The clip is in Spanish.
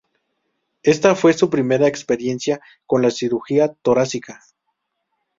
Esta fue su primera experiencia con la cirugía torácica.